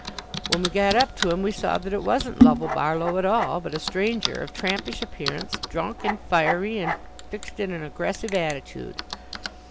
When we got up to him we saw that it wasn't Lovell Barlow at all, but a stranger of trampish appearance, drunk and fiery, and fixed in an aggressive attitude.